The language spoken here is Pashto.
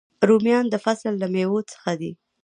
رومیان د فصل له میوو څخه دي